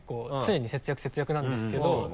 常に節約節約なんですけど。